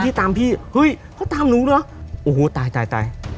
ตามพี่เฮ้ยเขาตามหนูเหรอโอ้โหตายตาย